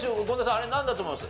あれなんだと思います？